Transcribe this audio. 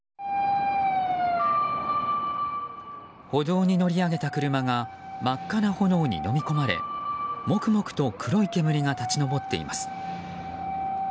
歩道に乗り上げた車が真っ赤な炎にのみ込まれモクモクと黒い煙が立ち上っています。